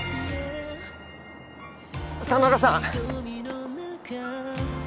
真田さん！